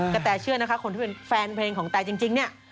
แตเชื่อนะคะคนที่เป็นแฟนเพลงของแตจริงเนี่ย